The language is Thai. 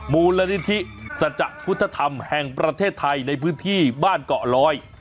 มูลนิธิสัจจะพุทธธรรมแห่งประเทศไทยในพื้นที่บ้านเกาะลอย